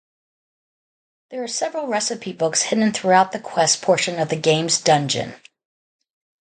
There are several recipe books hidden throughout the Quest portion of the game's dungeon.